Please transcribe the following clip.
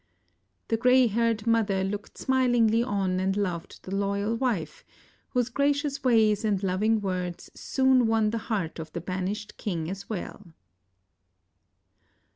The gray haired mother looked smilingly on and loved the loyal wife, whose gracious ways and loving words soon won the heart of the banished king as well.